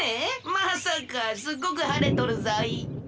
まさかすっごくはれとるぞい。